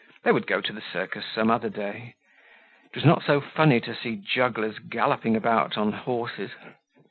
They would go to the circus some other day; it was not so funny to see jugglers galloping about on horses.